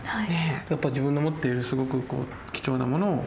やっぱ自分の持っているすごく貴重なものを。